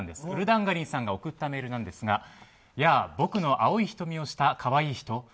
ウルダンガリンさんが送ったメールなんですがやあ、僕の青い瞳をした可愛い人。